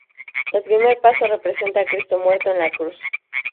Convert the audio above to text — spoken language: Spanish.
El primer paso representa a Cristo muerto en la cruz.